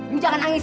yu jangan nangis